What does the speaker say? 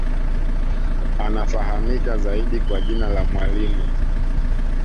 Anafahamika zaidi kwa jina la Mwalimu